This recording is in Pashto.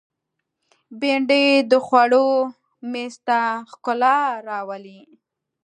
بېنډۍ د خوړو مېز ته ښکلا راولي